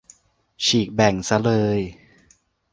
ฉีกแบ่งซะเลย